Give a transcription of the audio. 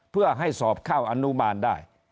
เพื่อให้สอบเข้าอนุมานได้